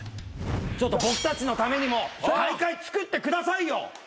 ちょっと僕たちのためにも大会つくってくださいよ。